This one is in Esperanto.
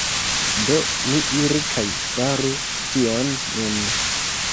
Do, ni iru kaj faru tion nun